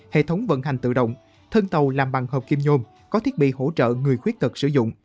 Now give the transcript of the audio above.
hệ thống vận hành tự động thân tàu làm bằng hộp kim nhôm có thiết bị hỗ trợ người khuyết tật sử dụng